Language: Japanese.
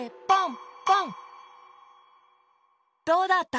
どうだった？